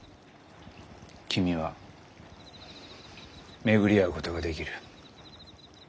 君は巡り会うことができる。